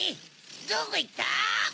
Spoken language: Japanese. どこいった！